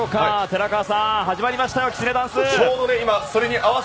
寺川さん、始まりましたよ